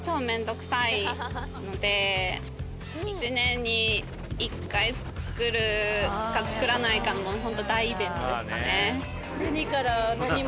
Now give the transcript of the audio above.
「１年に１回作るか作らないかの本当大イベントですかね」